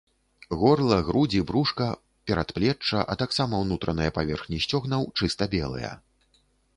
Горла, грудзі, брушка, перадплечча, а таксама ўнутраныя паверхні сцёгнаў чыста белыя.